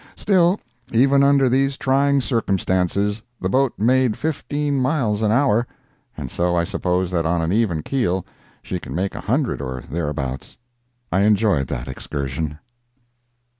Still, even under these trying circumstances, the boat made fifteen miles an hour, and so I suppose that on an even keel she can make a hundred, or thereabouts. I enjoyed that excursion.